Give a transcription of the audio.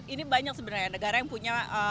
ini banyak sebenarnya negara yang punya